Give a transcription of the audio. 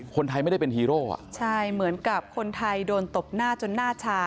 คนไทยไม่ได้เป็นฮีโร่อ่ะใช่เหมือนกับคนไทยโดนตบหน้าจนหน้าชา